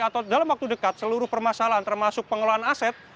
atau dalam waktu dekat seluruh permasalahan termasuk pengelolaan aset